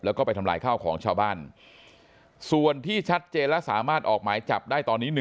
แล้วก็ไปทำลายข้าวของชาวบ้านส่วนที่ชัดเจนและสามารถออกหมายจับได้ตอนนี้